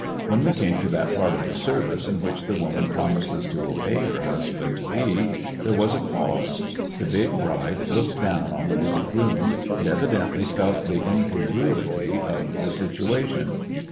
When we came to that part of the service in which the woman promises to obey her husband to be, there was a pause. The big bride looked down on the little groom, and evidently felt the in congruity of the situation.